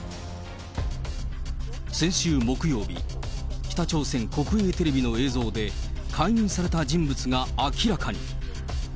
先週木曜日、北朝鮮国営テレビの映像で、解任された人物が明らかに。